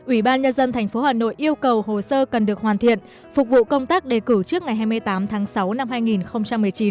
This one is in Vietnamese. ủy ban nhân dân tp hà nội yêu cầu hồ sơ cần được hoàn thiện phục vụ công tác đề cử trước ngày hai mươi tám tháng sáu năm hai nghìn một mươi chín